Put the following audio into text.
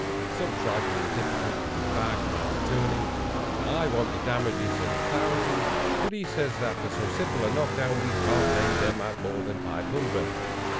Some trifling difficulty with Bag, my attorney. I want the damages at a thousand, but he says that for so simple a knock down we can't lay them at more than five hundred.